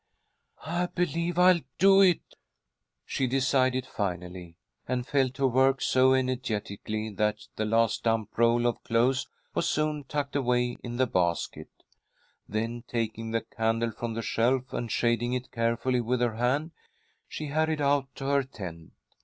"I believe I'll do it," she decided, finally, and fell to work so energetically that the last damp roll of clothes was soon tucked away in the basket. Then taking the candle from the shelf, and shading it carefully with her hand, she hurried out to her tent.